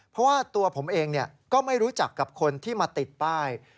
เพราะว่าตัวผมเองก็ไม่รู้จักกับคนที่มาติดป้าย